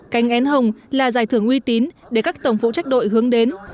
cánh én hồng là giải thưởng uy tín để các tổng phụ trách đội hướng đến